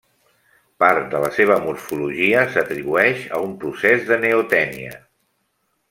Part de la seva morfologia s'atribueix a un procés de neotènia.